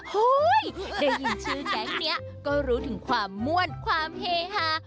ได้ยินชื่อแก๊งนี้ก็รู้ถึงความม่วนความเฮฮา